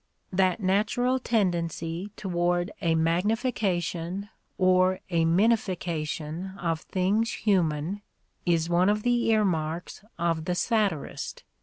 That natural tendency toward a magnification or a minification of things human is one of the ear marks of the satirist.